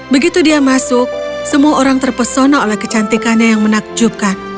begitu dia masuk semua orang terpesona oleh kecantikannya yang menakjubkan